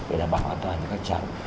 để đảm bảo an toàn cho các cháu